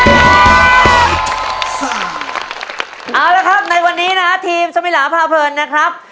เอาละครับในวันนี้นะทีมจมิแลาพราเผิร์นนะครับ